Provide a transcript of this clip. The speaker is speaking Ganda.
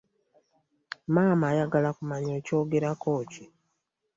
Maama ayagala kumanya okyogerako ki?